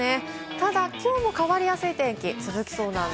ただきょうも変わりやすい天気が続きそうなんです。